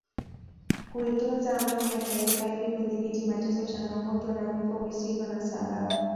kuitunza amani ya Taifa ili kudhibiti mateso changamoto na vifo visivyo na sababu